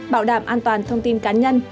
bảo đảm an toàn thông tin cá nhân